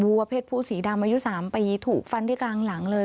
วัวเพศผู้สีดำอายุ๓ปีถูกฟันที่กลางหลังเลย